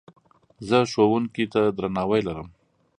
زه ښوونکي ته درناوی لرم.